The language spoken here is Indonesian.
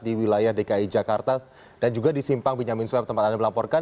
di wilayah dki jakarta dan juga di simpang benyamin suap tempat anda melaporkan